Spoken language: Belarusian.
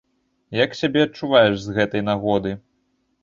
Як сябе адчуваеш з гэтай нагоды?